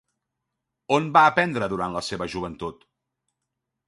On va aprendre durant la seva joventut?